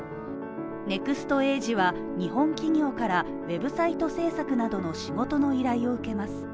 ネクストエージは、日本企業からウェブサイト制作などの仕事の依頼を受けます。